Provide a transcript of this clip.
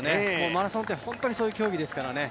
マラソンってそういう競技ですからね。